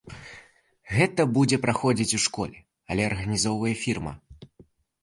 Гэта будзе праходзіць у школе, але арганізоўвае фірма.